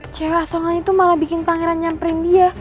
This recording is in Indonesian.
cewek asongan itu malah bikin pangeran nyamperin dia